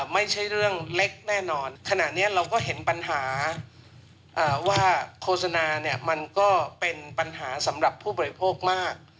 ไม่ใช่เรื่องเล็กแน่นอนขณะนี้เราก็เห็นปัญหาว่าโฆษณาเนี่ยมันก็เป็นปัญหาสำหรับผู้บริโภคมาก